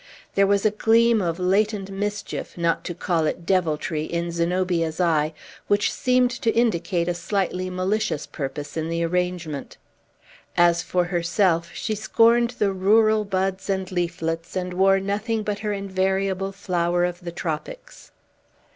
There was a gleam of latent mischief not to call it deviltry in Zenobia's eye, which seemed to indicate a slightly malicious purpose in the arrangement. As for herself, she scorned the rural buds and leaflets, and wore nothing but her invariable flower of the tropics.